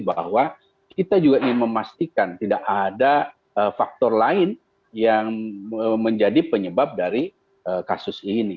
bahwa kita juga ingin memastikan tidak ada faktor lain yang menjadi penyebab dari kasus ini